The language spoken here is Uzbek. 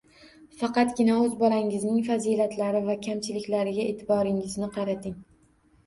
Faqatgina o‘z bolangizning fazilatlari va kamchiliklariga e’tiboringizni qarating.